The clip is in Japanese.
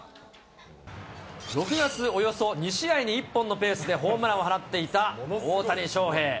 ６月、およそ２試合に１本のペースでホームランを放っていた大谷翔平。